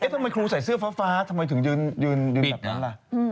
ทำไมครูใส่เสื้อฟ้าทำไมถึงยืนแบบนั้นล่ะ